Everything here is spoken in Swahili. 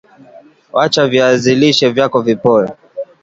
wacha viazi lishe vyako vipoe